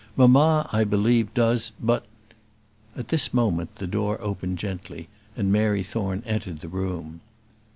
Mamma, I believe, does, but " At this moment the door opened gently and Mary Thorne entered the room.